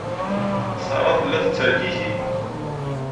Sarah tella tettergigi.